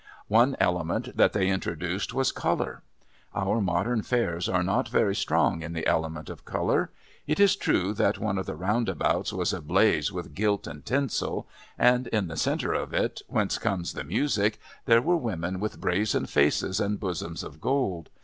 One element that they introduced was Colour. Our modern Fairs are not very strong in the element of Colour. It is true that one of the roundabouts was ablaze with gilt and tinsel, and in the centre of it, whence comes the music, there were women with brazen faces and bosoms of gold.